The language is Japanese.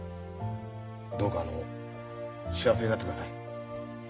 どうか幸せになってください。